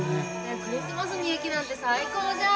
クリスマスに雪なんて最高じゃん。